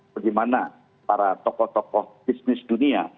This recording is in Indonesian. bagaimana para tokoh tokoh bisnis dunia